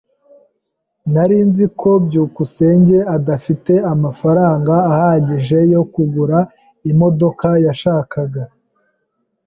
Nari nzi ko byukusenge adafite amafaranga ahagije yo kugura imodoka yashakaga.